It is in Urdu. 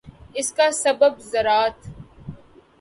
اس کا سبب ذرات